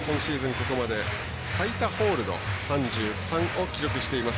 ここまで最多ホールド３３を記録しています